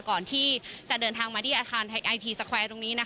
ก่อนที่จะเดินทางมาที่อาคารไอทีสแควร์ตรงนี้